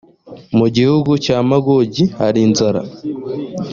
mu gihugu cya magogi hari inzara